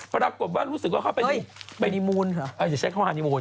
ปรากฏว่ารู้สึกว่าเขาไปเฮ้ยฮานิมูนเหรออย่าใช้เข้าฮานิมูน